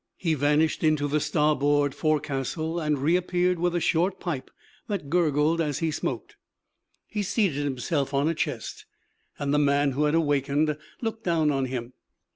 He vanished into the starboard forecastle, and reappeared with a short pipe that gurgled as he smoked. He seated himself on a chest, and the man who had awakened looked down on him.